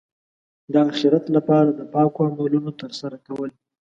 د اخرت لپاره د پاکو عملونو ترسره کول.